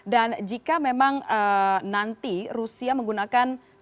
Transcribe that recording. dan jika memang nanti rusia menggunakan ya